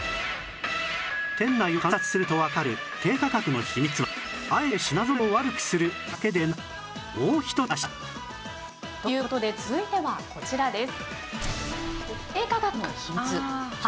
店内を観察するとわかる低価格の秘密はあえて品揃えを悪くするだけでなくもう１つありましたという事で続いてはこちらです。